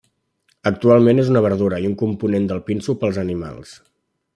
Actualment és una verdura i un component del pinso pels animals.